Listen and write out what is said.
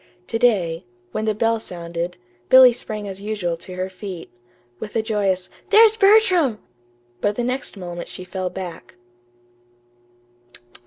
To day, when the bell sounded, Billy sprang as usual to her feet, with a joyous "There's Bertram!" But the next moment she fell back.